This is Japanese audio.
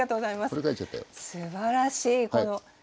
すばらしいこの。